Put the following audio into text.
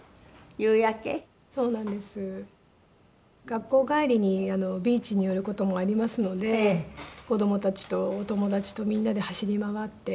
学校帰りにビーチに寄る事もありますので子供たちとお友達とみんなで走り回って。